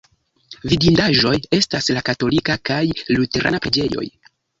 Vidindaĵoj estas la katolika kaj luterana preĝejoj.